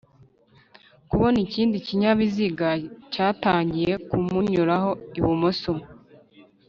kubona ikindi kinyabiziga cyatangiye kumunyuraho ibumoso.